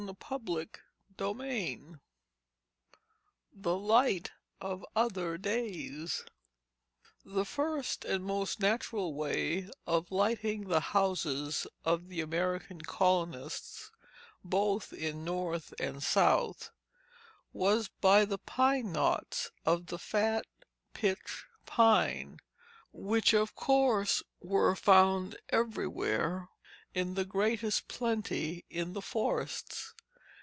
CHAPTER II THE LIGHT OF OTHER DAYS The first and most natural way of lighting the houses of the American colonists, both in the North and South, was by the pine knots of the fat pitch pine, which, of course, were found everywhere in the greatest plenty in the forests.